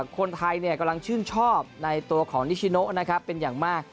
คนไทยกำลังชื่นชอบในตัวของนิชิโนนะครับเป็นอย่างมาก